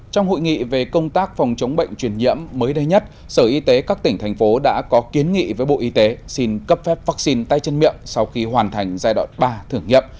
trong hội nghị về công tác phòng chống bệnh truyền nhiễm mới đây nhất sở y tế các tỉnh thành phố đã có kiến nghị với bộ y tế xin cấp phép vaccine tay chân miệng sau khi hoàn thành giai đoạn ba thử nghiệm